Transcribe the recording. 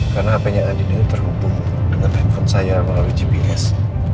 karena hpnya andin itu terhubung dengan handphone saya melalui gps